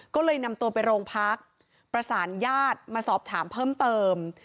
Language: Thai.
ก็เลยนำตัวไปโรงพักประสานญาติมาสอบถามเพิ่มเติม